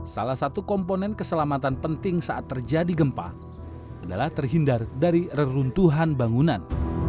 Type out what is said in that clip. salah satu komponen keselamatan penting saat terjadi gempa adalah terhindar dari reruntuhan bangunan